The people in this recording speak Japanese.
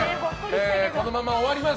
このまま終わります